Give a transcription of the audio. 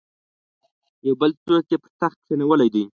یو بل څوک یې پر تخت کښېنولی دی.